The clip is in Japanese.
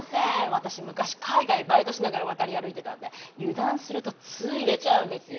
私昔海外バイトしながら渡り歩いてたんで油断するとつい出ちゃうんですよ